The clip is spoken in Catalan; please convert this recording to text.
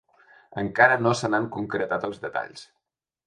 Encara no se n’han concretat els detalls.